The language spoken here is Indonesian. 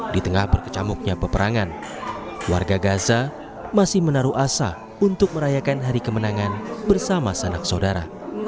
di tengah berkecamuknya peperangan warga gaza masih menaruh asa untuk merayakan hari kemenangan bersama sanak saudara